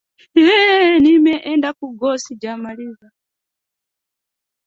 Jamaii ya kiislam ilidai kuwa wanachama wake waliwauwa takribani wakristo ishirini